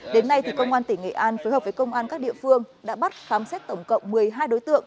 đến nay công an tỉnh nghệ an phối hợp với công an các địa phương đã bắt khám xét tổng cộng một mươi hai đối tượng